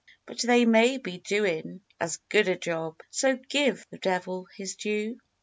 But they may be doin' as good a job, So "give the devil his due."